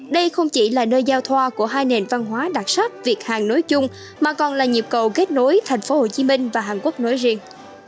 đây không chỉ là nơi giao thoa của hai nền văn hóa đặc sắc việt hàn nối chung mà còn là nhịp cầu kết nối thành phố hồ chí minh và hàn quốc nói riêng